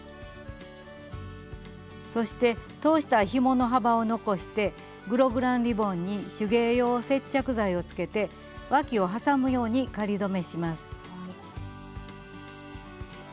そして通したいひもの幅を残してグログランリボンに手芸用接着剤をつけてわきを挟むように仮留めします。